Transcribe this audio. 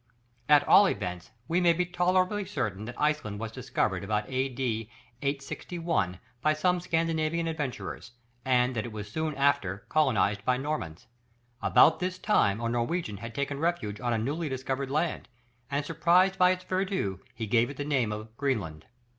At all events we may be tolerably certain that Iceland was discovered about A.D. 861 by some Scandinavian adventurers, and that it was soon after colonized by Normans. About this same time a Norwegian had taken refuge on a newly discovered land, and surprised by its verdure he gave it the name of Greenland.